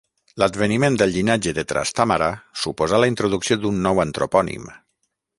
L'adveniment del llinatge de Trastàmara suposà la introducció d'un nou antropònim: